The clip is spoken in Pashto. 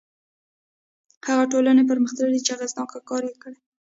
هغه ټولنې پرمختللي دي چې اغېزناک کار یې کړی.